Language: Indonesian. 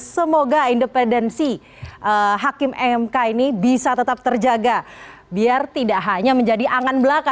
semoga independensi hakim mk ini bisa tetap terjaga biar tidak hanya menjadi angan belaka